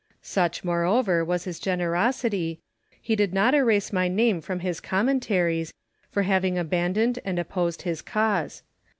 Such moreover was his generosity, he did not erase my name from his Commentaries for having abandoned and opposed his cause.